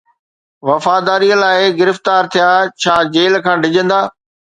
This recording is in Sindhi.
وفاداريءَ لاءِ گرفتار ٿيا، ڇا جيل کان ڊڄندا؟